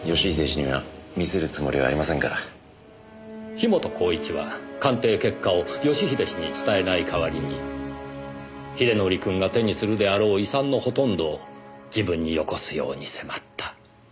樋本晃一は鑑定結果を義英氏に伝えない代わりに英則くんが手にするであろう遺産のほとんどを自分に寄越すように迫った。